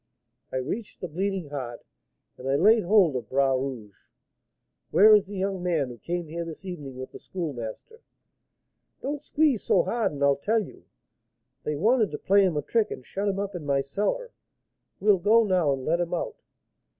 I reached the Bleeding Heart, and I laid hold of Bras Rouge. 'Where is the young man who came here this evening with the Schoolmaster?' 'Don't squeeze so hard, and I'll tell you. They wanted to play him a trick and shut him up in my cellar; we'll go now and let him out.'